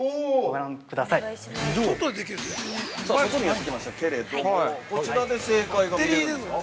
◆さあ、外にやってきましたけれどもこちらで正解が見れるんですか。